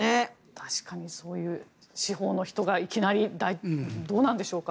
確かに司法の人がいきなりどうなんでしょうか？